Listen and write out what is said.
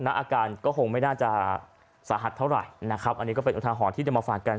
อาการก็คงไม่น่าจะสาหัสเท่าไหร่นะครับอันนี้ก็เป็นอุทาหรณ์ที่จะมาฝากกัน